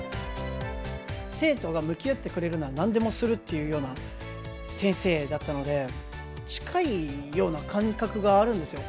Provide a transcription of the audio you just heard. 生徒が向き合ってくれるならなんでもするっていうような先生だったので、近いような感覚があるんですよ。